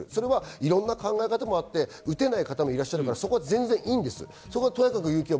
いろんな考え方もあって打てない方もいらっしゃるから全然いいんです。